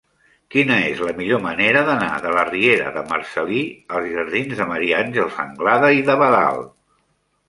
Quina és la millor manera d'anar de la riera de Marcel·lí als jardins de Maria Àngels Anglada i d'Abadal?